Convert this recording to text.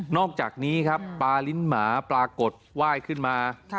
อกจากนี้ครับปลาลิ้นหมาปรากฏไหว้ขึ้นมา